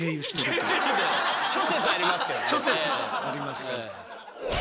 諸説ありますから。